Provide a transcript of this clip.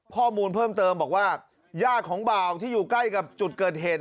ข้อมูลเพิ่มเติมบอกว่าญาติของบ่าวที่อยู่ใกล้กับจุดเกิดเหตุ